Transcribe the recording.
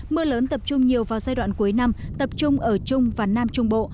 mưa lớn tập trung nhiều vào giai đoạn cuối năm tập trung ở trung và nam trung bộ